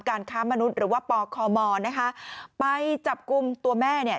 ค้ามนุษย์หรือว่าปคมนะคะไปจับกลุ่มตัวแม่เนี่ย